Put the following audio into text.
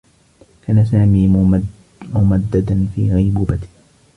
كان سامي ممدّدا في غيبوبة.